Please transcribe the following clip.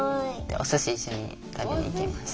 おすし一緒に食べに行きました。